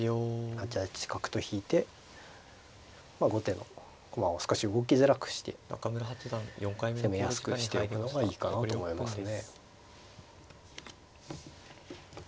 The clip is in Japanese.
８八角と引いてまあ後手の駒を少し動きづらくして攻めやすくしていくのがいいかなと思いますね。